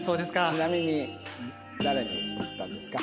ちなみに誰に送ったんですか？